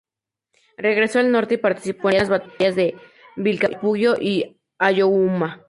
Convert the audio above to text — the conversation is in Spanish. Regresó al norte y participó en las batalla de Vilcapugio y Ayohuma.